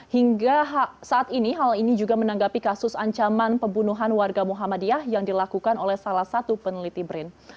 hingga saat ini hal ini juga menanggapi kasus ancaman pembunuhan warga muhammadiyah yang dilakukan oleh salah satu peneliti brin